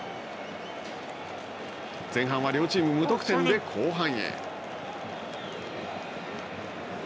前半は両チーム無得点で後半へ。